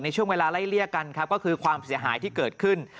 ช่วงเวลาไล่เลี่ยกันครับก็คือความเสียหายที่เกิดขึ้น